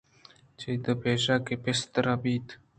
چِد ءُ پیش کہ پس دربئیت